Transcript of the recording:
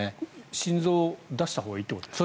心臓を出したほうがいいということですか。